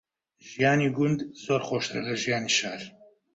ژیانی گوند زۆر خۆشترە لە ژیانی شار.